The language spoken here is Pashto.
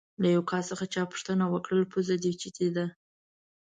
له یو کس چا پوښتنه وکړه: پوزه دې چیتې ده؟